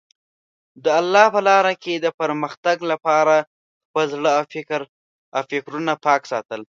د الله په لاره کې د پرمختګ لپاره خپل زړه او فکرونه پاک ساتل.